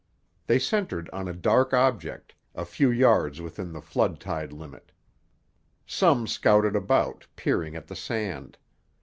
They centered on a dark object, a few yards within the flood tide limit. Some scouted about, peering at the sand.